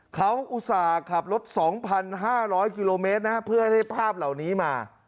เขาอุตส่าห์ขับรถสองพันห้าร้อยกิโลเมตรนะฮะเพื่อให้ภาพเหล่านี้มา